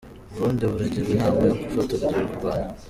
U Burundi buragirwa inama yo gufata urugero ku Rwanda